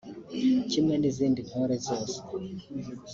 Kimwe n’izindi ntore zose